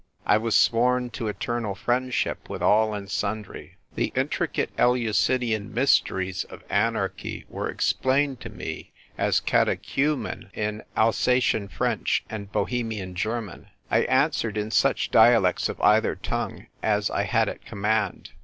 I was sworn to eternal friendship with all and sundry. The intricate Eleusinian mysteriesof anarchy were explained to me, as catechumen, in Alsatian French and Bohemian German. I answered in such dia lects of either tongue as I had at command.